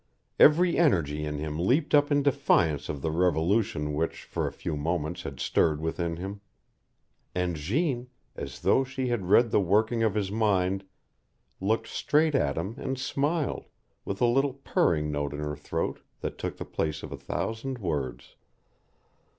Every energy in him leaped up in defiance of the revolution which for a few moments had stirred within him. And Jeanne, as though she had read the working of his mind, looked straight at him and smiled, with a little purring note in her throat that took the place of a thousand words.